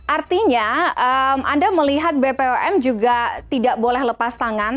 artinya anda melihat bpom juga tidak boleh lepas tangan